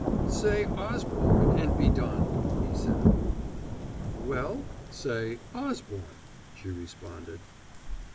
"Say 'Osborne' and be done," he said. "Well, say 'Osborne,'" she responded.